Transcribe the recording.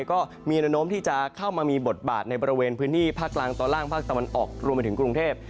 ก็มีแนวโน้มที่จะเข้ามามีบทบาทในบริเวณพื้นที่ภาคกลางตอนล่างภาคตะวันออกรวมไปถึงกรุงเทพ